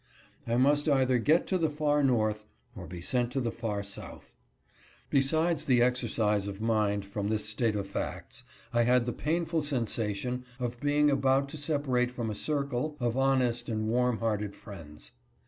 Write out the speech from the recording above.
I must either get to the far North or be sent to the far South. Besides the exercise of mind from this state of facts, I had the painful sensation of being about to separate from a circle of honest and warm hearted friends.